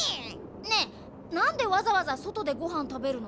ねえなんでわざわざそとでごはんたべるの？